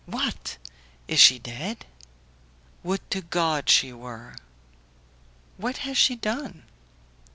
"What! is she dead?" "Would to God she were!" "What has she done?"